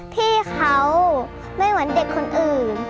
ที่เขาไม่เหมือนเด็กคนอื่น